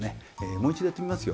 もう一度やってみますよ。